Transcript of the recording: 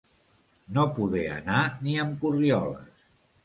No poder anar ni amb corrioles.